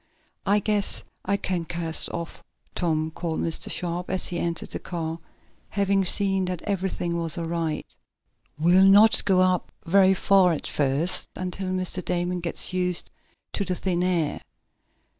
"I guess you can cast off, Tom," called Mr. Sharp, as he entered the car, having seen that everything was all right. "We'll not go up very far at first, until Mr. Damon gets used to the thin air."